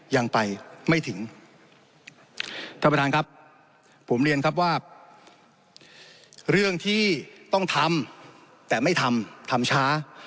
ยังไปไม่ถึงท่านประธานครับผมเรียนครับว่าเรื่องที่ต้องทำแต่ไม่ทำทำช้า